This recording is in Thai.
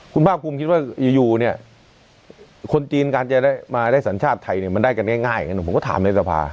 คุณภาคภูมิคิดว่าอยู่เนี่ยคนจีนการจะได้มาได้สัญชาติไทยเนี่ยมันได้กันง่ายผมก็ถามในสภา